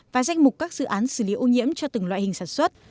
và danh mục các dự án xử lý ô nhiễm cho từng loại hình sản xuất